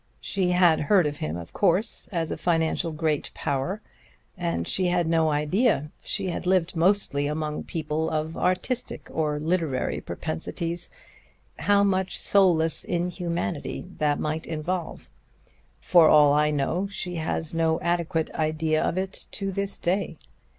She had heard of him, of course, as a financial great power, and she had no idea she had lived mostly among people of artistic or literary propensities how much soulless inhumanity that might involve. For all I know, she has no adequate idea of it to this day.